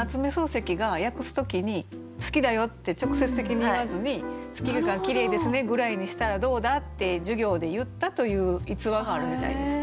漱石が訳す時に「好きだよ」って直接的に言わずに「月が綺麗ですね」ぐらいにしたらどうだって授業で言ったという逸話があるみたいです。